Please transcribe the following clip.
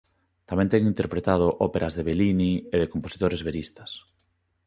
Tamén ten interpretado óperas de Bellini e de compositores veristas.